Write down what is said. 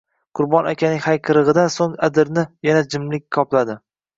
Qurbon akaning hayqirig‘idan so‘ng adirni yana jimlik qopladi.